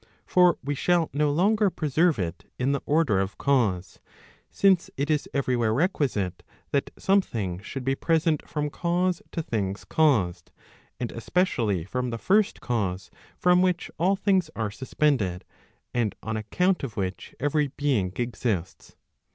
For we shall no longer preserve it in the order of cause; since it is every where requisite that something should be present from cause to things caused, * and especially from the first cause from which all things are suspended, and on account of which every being exists.